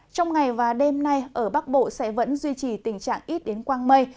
trong ngày và đêm nay ở bắc bộ sẽ vẫn duy trì tình trạng ít đến quang mây